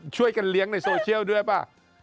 ช่วยกันเลี้ยงในโซเชียลด้วยป่ะ